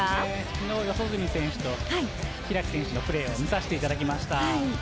昨日、四十住選手と開選手のプレーを見させていただきました。